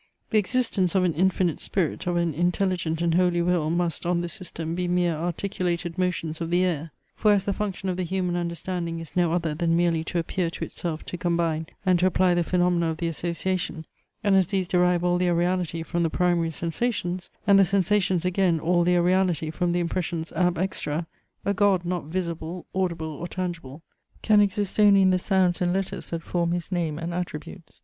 The existence of an infinite spirit, of an intelligent and holy will, must, on this system, be mere articulated motions of the air. For as the function of the human understanding is no other than merely to appear to itself to combine and to apply the phaenomena of the association; and as these derive all their reality from the primary sensations; and the sensations again all their reality from the impressions ab extra; a God not visible, audible, or tangible, can exist only in the sounds and letters that form his name and attributes.